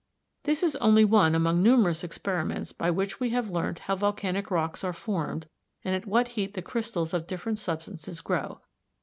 This is only one among numerous experiments by which we have learnt how volcanic rocks are formed and at what heat the crystals of different substances grow.